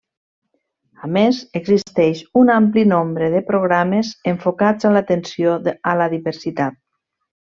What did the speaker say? A més existeix un ampli nombre de programes enfocats a l'atenció a la diversitat.